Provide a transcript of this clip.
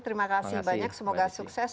terima kasih banyak semoga sukses